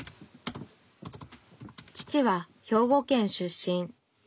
父は兵庫県出身。